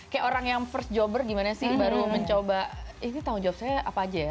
kayak orang yang first jobber gimana sih baru mencoba ini tanggung jawab saya apa aja ya